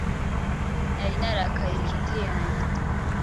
Nari narakariye inshuti yanjye: